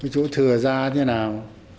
chúng thừa ra thế nào